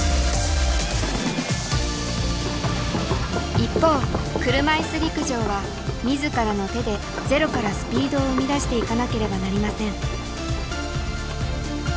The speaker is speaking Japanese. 一方車いす陸上は自らの手でゼロからスピードを生み出していかなければなりません。